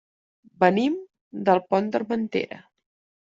Venim del Pont d'Armentera.